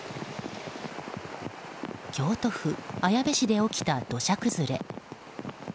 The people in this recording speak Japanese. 京都府綾部市で起きた土砂崩れ。